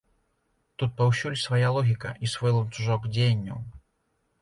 Тут паўсюль свая логіка і свой ланцужок дзеянняў.